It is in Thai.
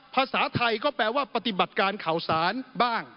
ภาษาไทยก็แปลว่าปฏิบัติการข่าวสารบ้าง